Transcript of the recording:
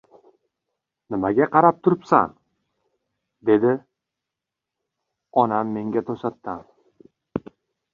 — Nimaga qarab turibsan? — dedi onam menga to‘satdan.